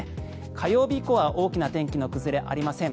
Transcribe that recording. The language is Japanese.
火曜日以降は大きな天気の崩れありません。